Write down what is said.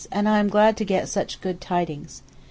and am glad to get such good tidings.